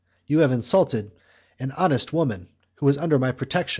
"You have insulted an honest woman who is under my protection; unsheath!"